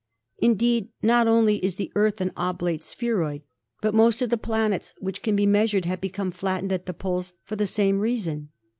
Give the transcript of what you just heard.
Indeed, not only is the Earth an oblate spheroid, but most of the planets which can be measured have become flattened at the poles for the same reason.